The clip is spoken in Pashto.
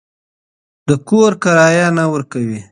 د کور کرایه نه ورکوئ.